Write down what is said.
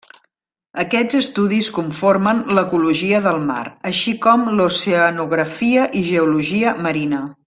Aquests estudis conformen l'ecologia del mar així com l'oceanografia i geologia marina.